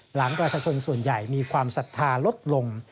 หลังประชาชนส่วนใหญ่มีความศรัทธาลดลง